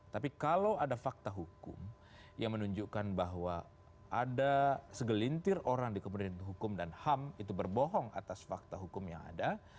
tapi kalau ada fakta hukum yang menunjukkan bahwa ada segelintir orang di kemudian hukum dan ham itu berbohong atas fakta hukum yang ada